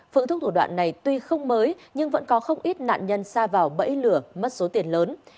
phượng thúc thủ đoạn này tuy không mới nhưng vẫn có không ít nạn nhân xa vào bẫy lửa mất số tiền lớn